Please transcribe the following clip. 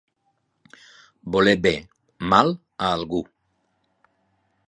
Voler bé, mal, a algú.